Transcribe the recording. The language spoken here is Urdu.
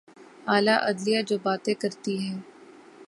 اعلی عدلیہ جو باتیں کرتی ہے۔